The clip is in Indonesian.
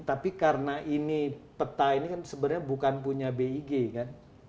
tapi karena ini peta ini kan sebenarnya bukan punya big kan